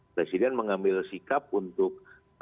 presiden mengambil sikap untuk